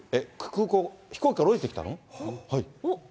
空港、飛行機から降りてきたの？